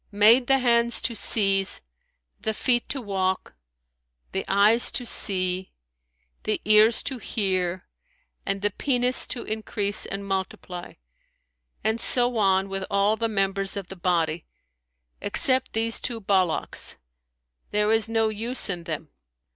made the hands to seize, the feet to walk, the eyes to see, the ears to hear and the penis to increase and multiply; and so on with all the members of the body, except these two ballocks; there is no use in them.'